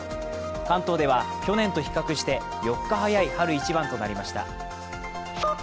関東では去年と比較して４日早い春一番となりました。